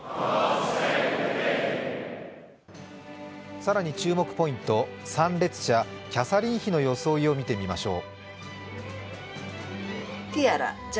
更に注目ポイント、参列者、キャサリン妃の装いを見てみましょう。